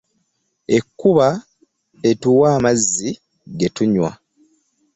Ekuba etuwa amazzi getunywa .